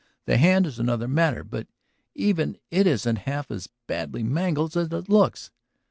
The hand is another matter; but even it isn't half as badly mangled as it looks.